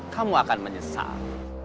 kamu akan menyesal